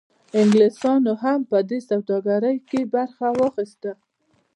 انګلیسانو هم په دې سوداګرۍ کې برخه واخیسته.